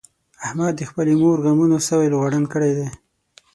احمد د خپلې مور غمونو سوی لوغړن کړی دی.